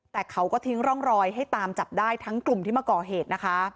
แต่เขาก็ทิ้งร่องรอยให้ตามจับได้ทั้งกลุ่มที่มาก่อเหตุนะคะ